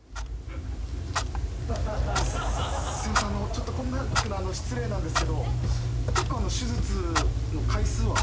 ちょっとこんなの聞くの失礼なんですけど結構手術の回数は。